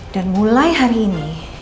dan mulai hari ini